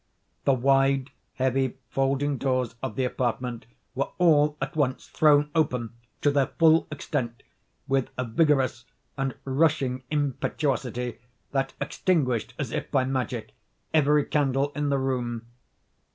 The wide, heavy folding doors of the apartment were all at once thrown open, to their full extent, with a vigorous and rushing impetuosity that extinguished, as if by magic, every candle in the room.